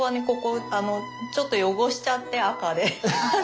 ここちょっと汚しちゃって赤で。